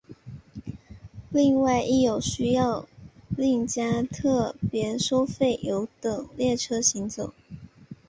另外亦有需要另加特别收费的优等列车行走。